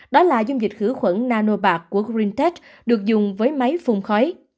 đó là dung dịch khử khuẩn nanobat của greentech được dùng với máy phung khói